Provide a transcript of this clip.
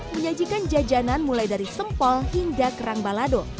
menyajikan jajanan mulai dari sempol hingga kerang balado